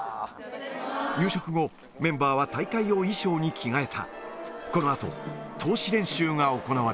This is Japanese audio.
夕食後、メンバーは大会用衣装に着替えた。